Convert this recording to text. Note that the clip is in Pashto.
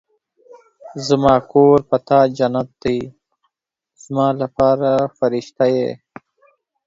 زما کور په تا جنت دی ، زما لپاره فرښته ېې